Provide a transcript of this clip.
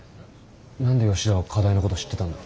何で吉田は課題のこと知ってたんだ？